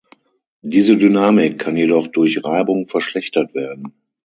Diese Dynamik kann jedoch durch Reibung verschlechtert werden.